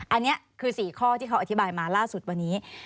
อันนี้คือ๔ข้อที่เขาอธิบายมาล่าสุดวันนี้